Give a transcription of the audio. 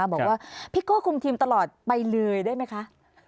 บอกว่าพี่โก้คุมทีมตลอดไปเลยได้ไหมคะ